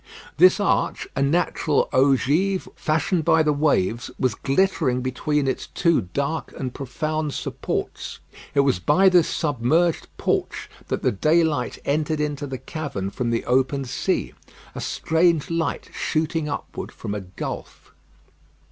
This arch, a natural ogive, fashioned by the waves, was glittering between its two dark and profound supports. It was by this submerged porch that the daylight entered into the cavern from the open sea. A strange light shooting upward from a gulf.